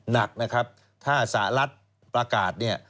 หนักนะครับถ้าสหรัฐประกาศเนี่ย